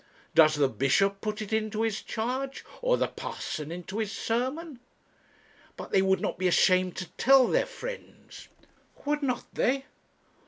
Does the bishop put it into his charge, or the parson into his sermon?' 'But they would not be ashamed to tell their friends.' 'Would not they?